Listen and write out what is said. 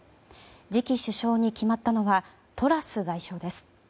次期首相に決まったのはトラス外相です。